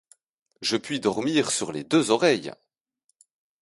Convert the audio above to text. Je puis dormir sur les deux oreilles !